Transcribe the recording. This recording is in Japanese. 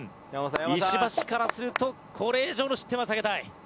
石橋からするとこれ以上の失点は避けたい。